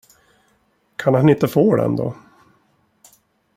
Kan han inte få den då?